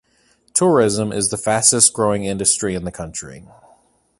Tourism is the fastest-growing industry in the country.